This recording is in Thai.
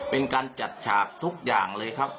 เป็นการจัดฉากทุกอย่างเลยครับ